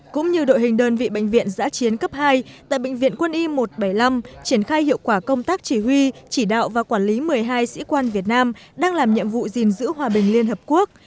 cũng như đội hình đơn vị bệnh viện giã chiến cấp hai tại bệnh viện quân y một trăm bảy mươi năm triển khai hiệu quả công tác chỉ huy chỉ đạo và quản lý một mươi hai sĩ quan việt nam đang làm nhiệm vụ gìn giữ hòa bình liên hợp quốc